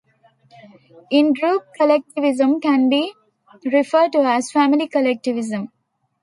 In-group collectivism can be referred to as family collectivism.